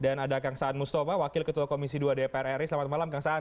dan ada kang saan mustoma wakil ketua komisi dua dpr ri selamat malam kang saan